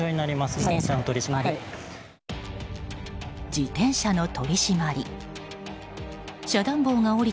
自転車の取り締まり。